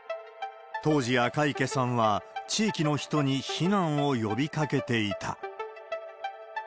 当時、赤池さんは地域の人に避難を呼びかけていた。